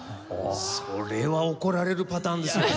それは怒られるパターンですよ。